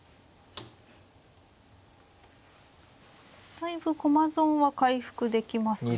だいぶ駒損は回復できますね。